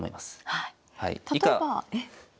はい例えば。以下。